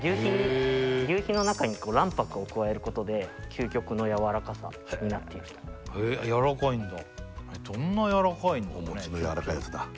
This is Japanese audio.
求肥の中に卵白を加えることで究極のやわらかさになっているとへえやわらかいんだどんなやわらかいのかねお餅のやわらかいやつだ